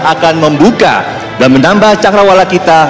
akan membuka dan menambah cakrawala kita